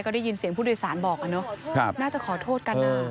ได้ยินเสียงผู้โดยสารบอกอะเนาะน่าจะขอโทษกัน